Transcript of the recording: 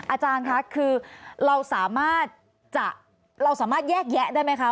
อาจารย์ค่ะคือเราสามารถแยกแยะได้ไหมคะ